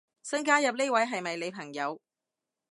新加入呢位係咪你朋友